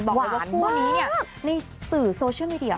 บอกว่าคู่นี้เนี่ยในสื่อโซเชียลมีเดีย